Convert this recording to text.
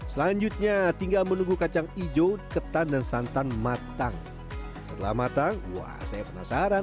selanjutnya tinggal menunggu kacang hijau ketan dan santan matang telah matang wah saya penasaran